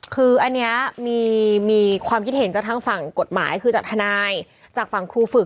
คืออันนี้มีความคิดเห็นจากทางฝั่งกฎหมายคือจากทนายจากฝั่งครูฝึก